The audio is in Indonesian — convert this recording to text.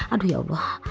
aduh ya allah